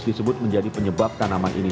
disebut menjadi penyebab tanaman ini